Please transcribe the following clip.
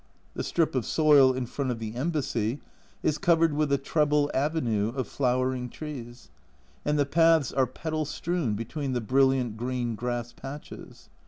The strip of soil in front of the Embassy is covered with a treble avenue of flowering trees, and the paths are petal strewn between the brilliant green grass patches.